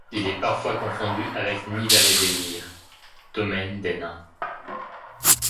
Il est parfois confondu avec Nidavellir, domaine des Nains.